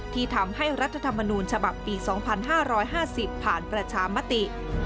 ที่ทำให้รัฐธรรมนูญฉบับปี๒๕๕๐ผ่านประชามติ